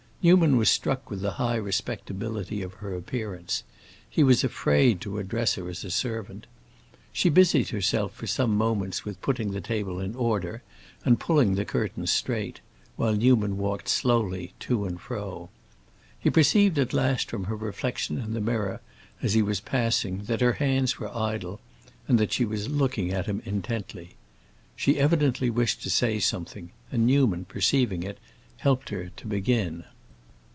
Newman was struck with the high respectability of her appearance; he was afraid to address her as a servant. She busied herself for some moments with putting the table in order and pulling the curtains straight, while Newman walked slowly to and fro. He perceived at last from her reflection in the mirror, as he was passing that her hands were idle and that she was looking at him intently. She evidently wished to say something, and Newman, perceiving it, helped her to begin.